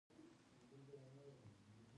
باسواده میندې د لور او زوی فرق نه کوي.